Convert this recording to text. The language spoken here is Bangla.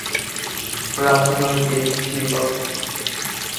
রাজনৈতিক জীবন